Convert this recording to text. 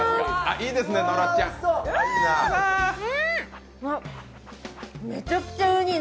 いいですね、野呂ちゃん。